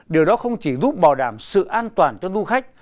điều đó không chỉ giúp bảo đảm sự an toàn cho du khách